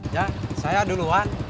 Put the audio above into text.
ya saya duluan